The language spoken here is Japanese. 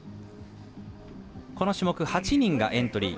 この種目、８人がエントリー。